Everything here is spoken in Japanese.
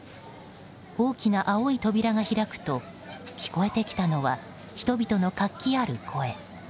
大きな青い扉が開くと聞こえてきたのは人々の活気ある声。